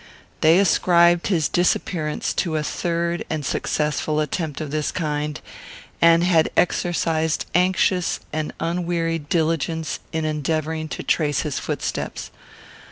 They ascribed his disappearance to a third and successful attempt of this kind, and had exercised anxious and unwearied diligence in endeavouring to trace his footsteps.